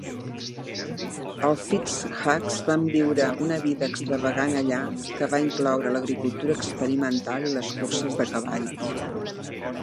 El Fitzhughs van viure una vida extravagant allà que va incloure l'agricultura experimental i les curses de cavalls.